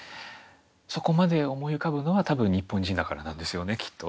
そこまで思い浮かぶのは多分日本人だからなんですよねきっと。